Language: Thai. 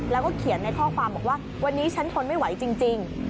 แล้วก็เขียนในข้อความบอกว่าวันนี้ฉันทนไม่ไหวจริง